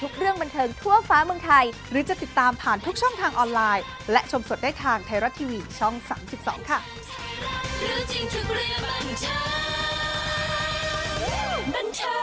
ขอบคุณครับ